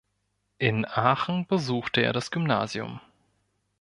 In Aachen besuchte er das Gymnasium.